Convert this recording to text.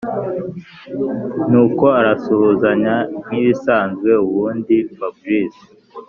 nuko arasuhuzanya nkibisanzwe ubundi fabric